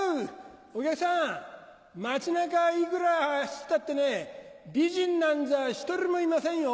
お客さん街中いくら走ったってね美人なんざひとりもいませんよ。